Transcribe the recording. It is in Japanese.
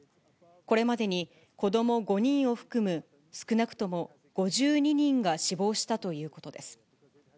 これまでに子ども５人を含む、少なくとも５２人が死亡したということです。